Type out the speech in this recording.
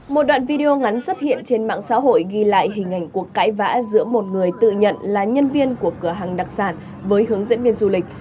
một đoạn video ngắn xuất hiện trên mạng xã hội ghi lại hình ảnh cuộc cãi vã giữa một người tự nhận là nhân viên của cửa hàng đặc sản với hướng dẫn viên du lịch